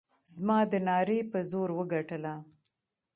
زما د نعرې په زور وګټله.